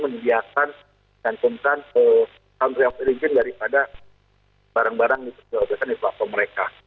menyediakan jantungan ke country of origin daripada barang barang yang disediakan di platform mereka